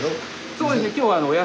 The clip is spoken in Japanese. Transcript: そうですね。